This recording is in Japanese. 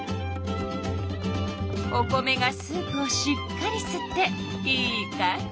お米がスープをしっかりすってイーカんじ！